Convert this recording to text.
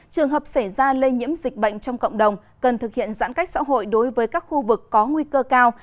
trường hợp xảy ra lây nhiễm dịch bệnh trong cộng đồng cần thực hiện giãn cách xã hội đối với các khu vực có nguy cơ cao